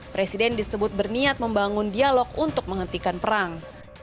presiden disebut berniat membangun dialog untuk menghentikan perang